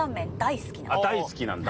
あっ大好きなんだ？